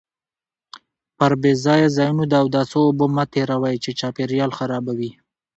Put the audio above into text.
پر بې ځایه ځایونو د اوداسه اوبه مه تېروئ چې چاپیریال خرابوي.